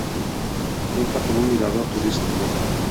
Cuenta con un mirador turístico.